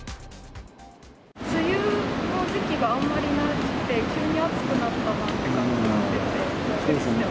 梅雨の時期があんまりなくて、急に暑くなったなっていう感じでびっくりしてます。